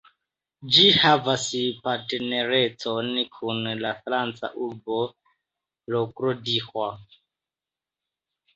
Ĝi havas partnerecon kun la franca urbo Le Grau du Roi.